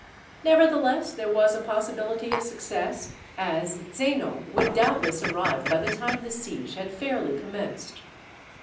Nevertheless, there was a possibility of success, as Zeno would doubtless arrive by the time the siege had fairly commenced.